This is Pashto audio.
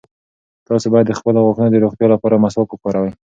تاسي باید د خپلو غاښونو د روغتیا لپاره مسواک وکاروئ.